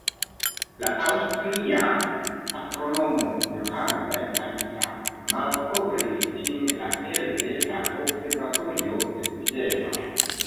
La aŭstria astronomo Johann Palisa malkovris ĝin la elde la observatorio de Vieno.